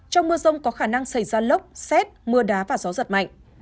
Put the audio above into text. trong mưa rông có khả năng xảy ra lốc xét mưa đá và gió giật mạnh